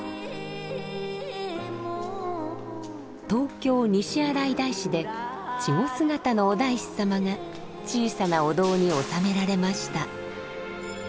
東京・西新井大師で稚児姿のお大師様が小さなお堂に納められました。